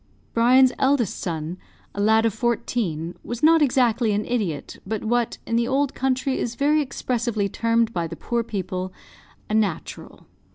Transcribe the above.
Brian's eldest son, a lad of fourteen, was not exactly an idiot, but what, in the old country, is very expressively termed by the poor people a "natural."